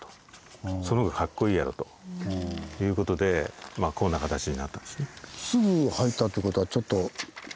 その方がかっこいいやろということでこんな形になったんですね。